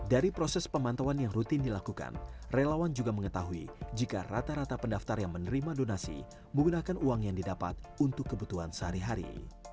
dari proses pemantauan yang rutin dilakukan relawan juga mengetahui jika rata rata pendaftar yang menerima donasi menggunakan uang yang didapat untuk kebutuhan sehari hari